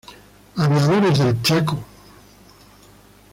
Aviadores del Chaco", "Av.